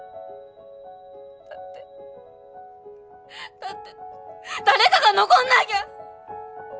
だってだって誰かが残んなぎゃ！